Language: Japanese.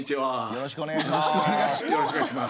よろしくお願いします。